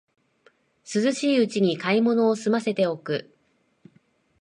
涼しいうちに買い物をすませておく